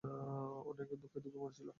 অনেকে ধুঁকে ধুঁকে মরছিল।